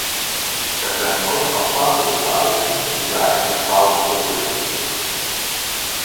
Er zijn ook aparte bepalingen inzake bepaalde producten.